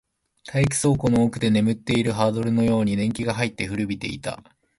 体育倉庫の奥で眠っているハードルのように年季が入って、古びていた